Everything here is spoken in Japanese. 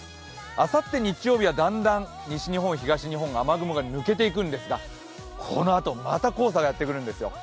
あさって日曜日はだんだん西日本、東日本、雨雲が抜けていくんですがこのあとまた黄砂がやってくるんですよ。